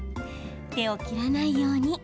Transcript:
手を切らないように。